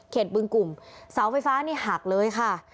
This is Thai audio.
บึงกลุ่มเสาไฟฟ้านี่หักเลยค่ะ